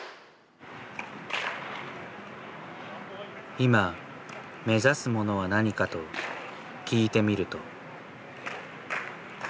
今目指すものは何かと聞いてみると。